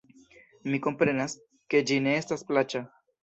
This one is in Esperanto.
Mi komprenas, ke ĝi ne estas plaĉa.